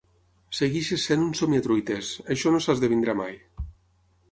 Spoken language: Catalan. Segueixes sent un somiatruites. Això no s'esdevindrà mai.